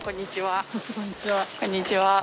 こんにちは。